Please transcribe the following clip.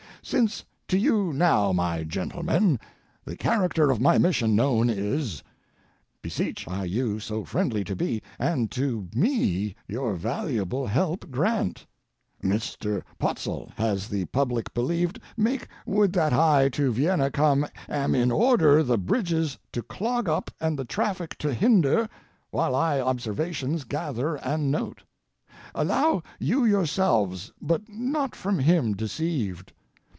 Since to you now, my gentlemen, the character of my mission known is, beseech I you so friendly to be and to me your valuable help grant. Mr. Potzl has the public believed make would that I to Vienna come am in order the bridges to clog up and the traffic to hinder, while I observations gather and note. Allow you yourselves but not from him deceived.